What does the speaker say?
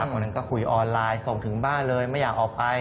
วันนั้นก็คุยออนไลน์ส่งถึงบ้านเลยไม่อยากออกไป